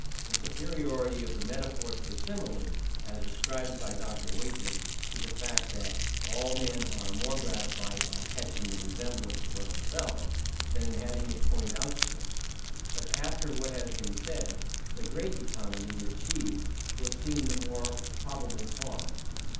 The superiority of the Metaphor to the Simile is ascribed by Dr. Whately to the fact that "all men are more gratified at catching the resemblance for themselves, than in having it pointed out to them." But after what has been said, the great economy it achieves will seem the more probable cause.